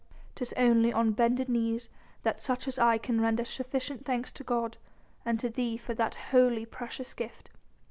"'Tis only on bended knees that such as I can render sufficient thanks to God and to thee for that holy, precious gift."